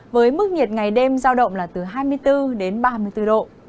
với mức nhiệt ngày đêm giao động là từ hai mươi bốn đến ba mươi bốn độ